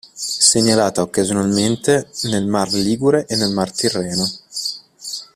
Segnalata occasionalmente nel mar Ligure e nel mar Tirreno.